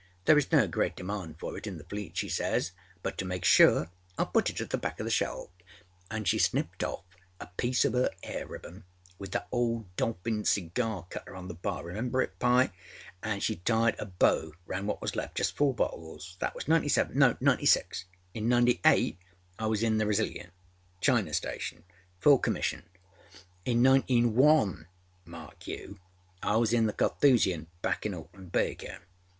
Thereâs no great demand for it in the Fleet,â she says, âbut to make sure Iâll put it at the back oâ the shelf,â anâ she snipped off a piece of her hair ribbon with that old dolphin cigar cutter on the barâremember it, Pye?âanâ she tied a bow round what was leftâjust four bottles. That was â97âno, â96. In â98 I was in the _Resiliant_âChina stationâfull commission. In Nineteen One, mark you, I was in the Carthusian, back in Auckland Bay again.